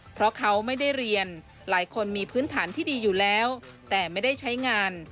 เพราะเขาไม่ได้เรียนหลายคนมีพื้นฐานที่ดีอยู่แล้วแต่ไม่ได้ใช้งาน